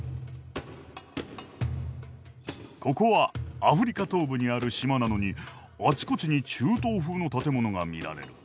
ここはアフリカ東部にある島なのにあちこちに中東風の建物が見られる。